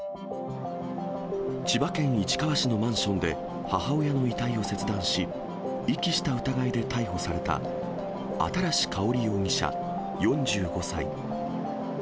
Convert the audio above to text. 千葉県市川市のマンションで、母親の遺体を切断し、遺棄した疑いで逮捕された、新かほり容疑者４５歳。